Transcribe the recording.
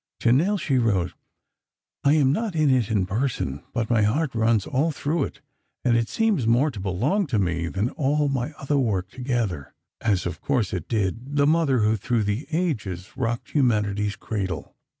To Nell she wrote: "I am not in it in person, but my heart runs all through it—and it seems more to belong to me than all my other work together." As of course it did—the mother who, through the ages, rocked humanity's cradle.